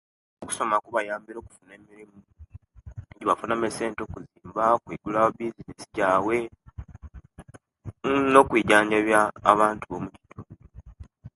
Okusoma kubayambire okufuna emirimu ejibafunamu esente okuzimba, okuwigulawo bizinesi jaibwe nokwijanjabiya abantu bomukitundu